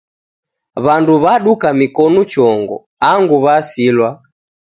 Wandu waduka mikono chongo angu wasilwa